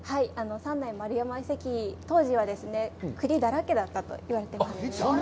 三内丸山遺跡、当時は栗だらけだったと言われています。